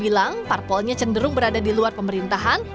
bilang parpolnya cenderung berada di luar pemerintahan